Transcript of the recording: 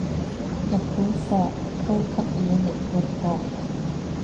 日本貨，高級嘢嚟個噃